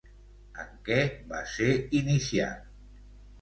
En què va ser iniciat?